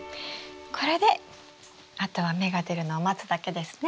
これであとは芽が出るのを待つだけですね。